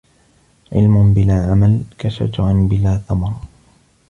علم بلا عمل كشجر بلا ثمر